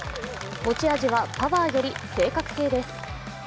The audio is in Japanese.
持ち味は、パワーより正確性です。